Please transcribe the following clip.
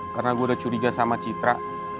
karena gue udah curiga sama citra